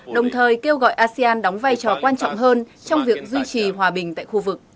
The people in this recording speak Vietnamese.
đồng thời kêu gọi asean đóng vai trò quan trọng hơn trong việc duy trì hòa bình tại khu vực